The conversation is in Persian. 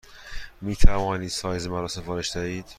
می توانید سایز مرا سفارش دهید؟